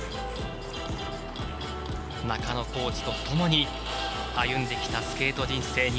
中野コーチとともに歩んできたスケート人生。